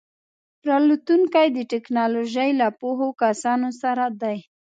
راتلونکی د ټیکنالوژۍ له پوهو کسانو سره دی.